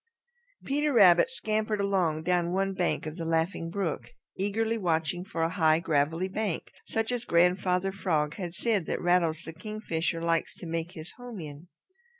Peter Rabbit scampered along down one bank of the Laughing Brook, eagerly watching for a high, gravelly bank such as Grandfather Frog had said that Rattles the Kingfisher likes to make his home in.